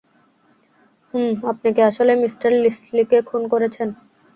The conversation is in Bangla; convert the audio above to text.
হুম আপনি কি আসলেই মিঃ লিসলিকে খুন করেছেন?